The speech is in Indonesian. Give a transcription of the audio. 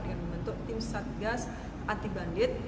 dengan membentuk tim satgas anti bandit